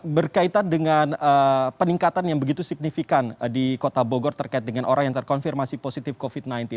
berkaitan dengan peningkatan yang begitu signifikan di kota bogor terkait dengan orang yang terkonfirmasi positif covid sembilan belas